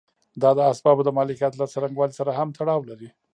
دا د اسبابو د مالکیت له څرنګوالي سره هم تړاو لري.